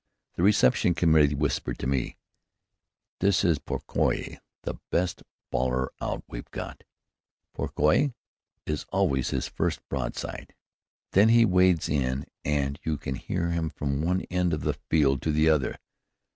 The reception committee whispered to me, "This is Pourquoi, the best bawler out we've got. 'Pourquoi?' is always his first broadside. Then he wades in and you can hear him from one end of the field to the other.